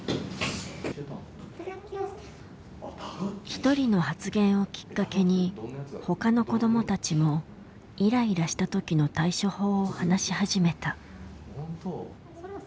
一人の発言をきっかけに他の子どもたちもイライラした時の対処法を話し始めた。